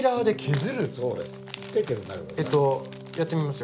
えっとやってみますよ？